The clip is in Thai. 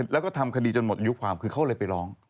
แล้วก็ทำคดีจนหมดอายุความคือเขาเลยไปร้อง